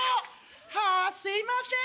はすいません